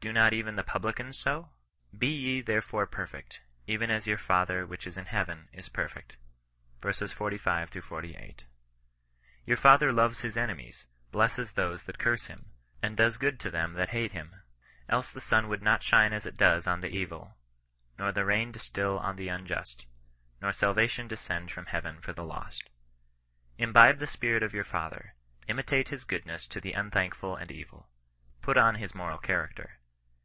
Do not even the publicans so ? Be ye therefore perfect, even as your Father which is in heaven is perfect." Verses 45 — 48. Your Father loves his eneY!a\^'&^VA^'«a«» ihme tbat curse him, and does good, to ^col ^^^ \sax:^ 34 OHEISTIAN NON RESISTANCE. him. Else the sun would not shine as it does on the evil, nor the rain distil on the unjust, nor salvation de scend from heaven for the lost. Imbibe the spirit of your Father. Imitate his goodness to the unthankful and evil. Put on his moral character.